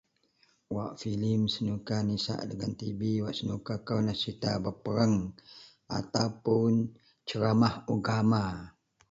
Wak filim senuka wak nisak dagen tv senuka kou yenlah serita pepereng ataupuun ceramah ugama